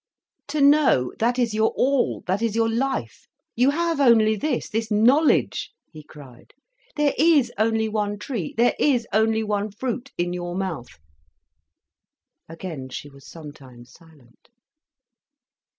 "To know, that is your all, that is your life—you have only this, this knowledge," he cried. "There is only one tree, there is only one fruit, in your mouth." Again she was some time silent.